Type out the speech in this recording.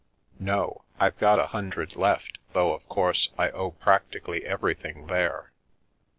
" No, I've got a hundred left, though, of course, I owe practically everything there.